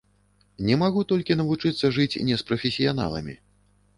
Не магу толькі навучыцца жыць не з прафесіяналамі.